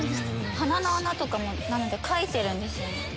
鼻の穴とかも描いてるんですよ。